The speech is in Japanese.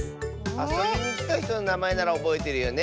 あそびにきたひとのなまえならおぼえてるよね！